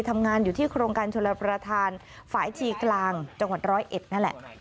ทำงานอยู่ที่โครงการชลประธานฝ่ายทีกลางจังหวัดร้อยเอ็ดนั่นแหละ